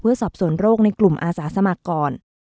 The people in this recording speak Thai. เพื่อสอบส่วนโรคในกลุ่มอาสาสมัครก่อน